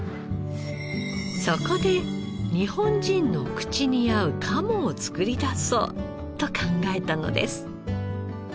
そこで日本人の口に合う鴨を作り出そうと考えたのです。